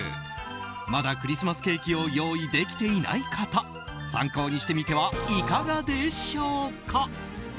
まだクリスマスケーキを用意できていない方参考にしてみてはいかがでしょうか？